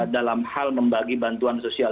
dalam hal membagi bantuan sosial